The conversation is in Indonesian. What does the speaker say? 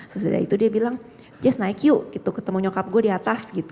setelah itu dia bilang jess naik yuk ketemu nyokap gue di atas